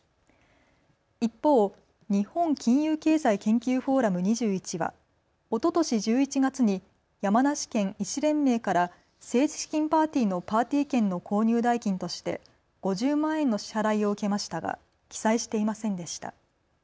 一方、日本金融経済研究フォーラム２１はおととし１１月に山梨県医師連盟から政治資金パーティーのパーティー券の購入代金として５０万円の支払いを受けましたが記載していませんでした。